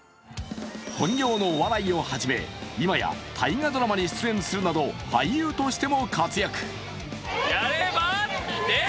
本業のお笑いをはじめ、今や大河ドラマに出演するなど俳優としても活躍。